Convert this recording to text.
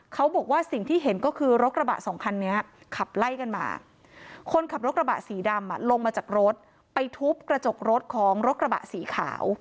เขาบอกว่าสิ่งที่เห็นก็คือรถกระบะสองคันนี้ขับไล่กันมาคนขับรถกระบะสีดำลงมาจากรถไปทุบกระจกรถของรถกระบะสีขาว